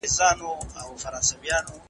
حقونه باید د ټولو لپاره خوندي سي.